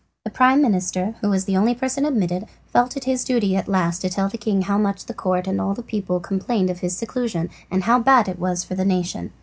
The prime minister, who was the only person admitted, felt it his duty at last to tell the king how much the court and all the people complained of his seclusion, and how bad it was for the nation.